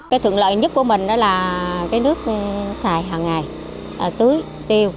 cái thượng lợi nhất của mình đó là cái nước xài hằng ngày tưới tiêu